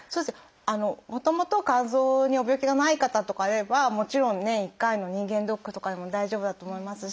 もともと肝臓にご病気がない方とかであればもちろん年１回の人間ドックとかでも大丈夫だと思いますし。